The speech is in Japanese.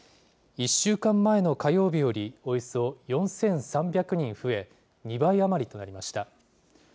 １週間前の火曜日よりおよそ４３００人増え、２倍余りとなりました。